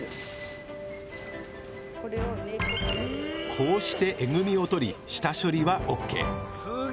こうしてえぐみを取り下処理はＯＫ。